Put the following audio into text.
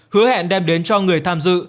hứa hẹn đem đến cho người tham dự